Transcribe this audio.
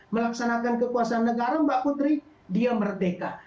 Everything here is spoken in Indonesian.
melaksanakan kekuasaan negara mbak putri dia merdeka